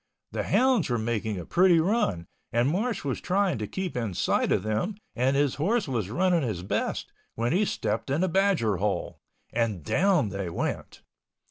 The hounds were making a pretty run and Marsh was trying to keep in sight of them and his horse was running his best, when he stepped in a badger hole ... and down they went.